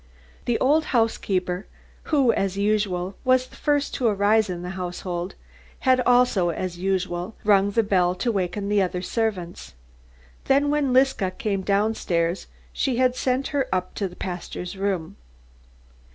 The old housekeeper, who, as usual, was the first to rise in the household, had also, as usual, rung the bell to waken the other servants. Then when Liska came downstairs she had sent her up to the pastor's room.